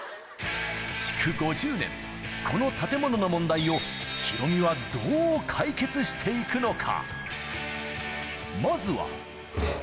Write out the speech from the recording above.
築５０年、この建物の問題をヒロミはどう解決していくのか。